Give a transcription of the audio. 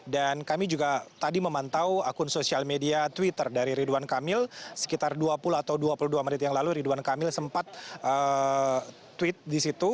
dan kami juga tadi memantau akun sosial media twitter dari ridwan kamil sekitar dua puluh atau dua puluh dua menit yang lalu ridwan kamil sempat tweet di situ